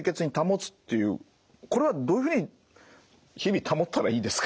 これはどういうふうに日々保ったらいいですか？